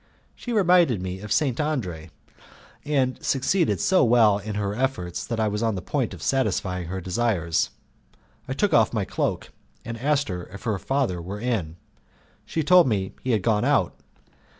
She reminded me of St. Andre, and succeeded so well in her efforts that I was on the point of satisfying her desires. I took off my cloak, and asked her if her father were in. She told me he had gone out.